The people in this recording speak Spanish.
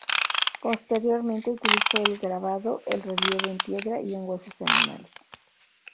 Posteriormente utilizó el grabado, el relieve en piedra y en huesos de animales.